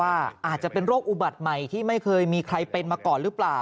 อาจจะเป็นโรคอุบัติใหม่ที่ไม่เคยมีใครเป็นมาก่อนหรือเปล่า